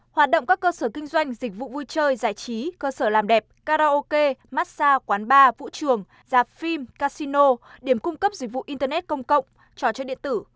hoạt động các cơ sở kinh doanh dịch vụ vui chơi giải trí cơ sở làm đẹp karaoke massage quán bar vũ trường dạp phim casino điểm cung cấp dịch vụ internet công cộng trò chơi điện tử